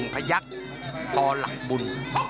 พยักษ์พอหลักบุญ